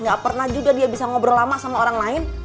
gak pernah juga dia bisa ngobrol lama sama orang lain